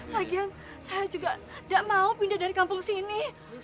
lagi yang saya juga tidak mau pindah dari kampung ini